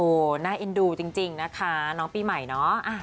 โอ้โหน่าเอ็นดูจริงนะคะน้องปีใหม่เนาะ